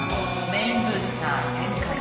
メインブースター展開」。